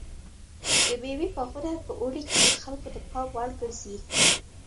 د مېوې باغونه په اوړي کې د خلکو د پام وړ ګرځي.